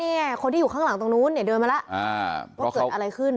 เนี่ยคนที่อยู่ข้างหลังตรงนู้นเนี่ยเดินมาแล้วว่าเกิดอะไรขึ้น